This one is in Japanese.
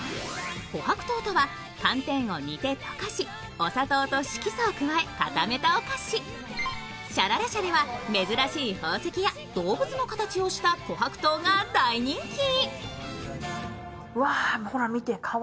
琥珀糖とは寒天を煮て溶かしお砂糖と色素を加え、固めたお菓子シャララ舎では珍しい宝石や動物の形をした琥珀糖が大人気。